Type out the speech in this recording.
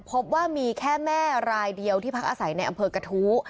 พบว่ามีแค่แม่รายเดียวที่พักอาศัยในอำเภอกระทู้